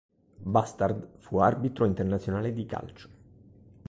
Bastard fu arbitro internazionale di calcio.